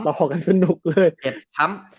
ตัดต่อกันสนุกเลย